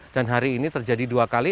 dan hari ini terjadi dua kali